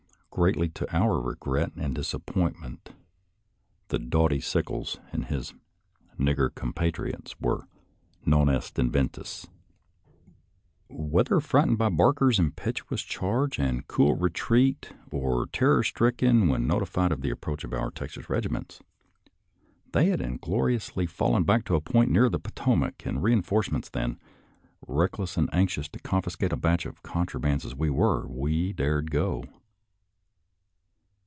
Greatly to our regret and disappointment, the doughty Sickles and his " nigger " compatriots were non est inventus. Whether frightened by Barker's impetuous charge and cool retreat, or terror stricken when notified of the approach of our Texas regiments, they had ingloriously fallen back to a point nearer the Potomac and reinforcements than, reckless and anxious to confiscate a batch of con trabands as we were, we dared to go.